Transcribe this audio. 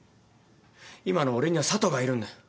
今の俺には佐都がいるんだよ。